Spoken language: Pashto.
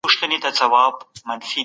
د ټولنيز محصول لوړتيا ښه پايله لري.